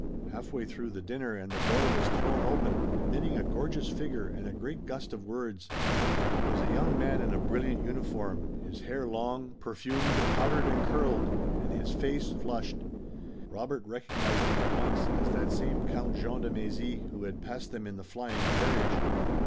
Half way through the dinner and the door was thrown open, admitting a gorgeous figure and a great gust of words. It was a young man in a brilliant uniform, his hair long, perfumed, powdered and curled, and his face flushed. Robert recognized him at once as that same Count Jean de Mézy who had passed them in the flying carriage.